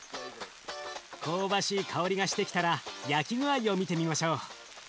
香ばしい香りがしてきたら焼き具合を見てみましょう。